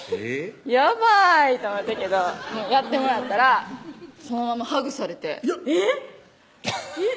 やばいと思ったけどやってもらったらそのままハグされていや！